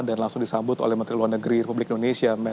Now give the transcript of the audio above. dan langsung disambut oleh menteri luar negeri republik indonesia